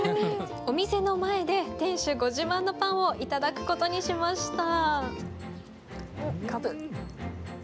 お店の前で店主ご自慢のパンをいただくことにしました。